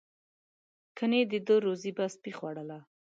ګنې د ده روزي به سپي خوړله.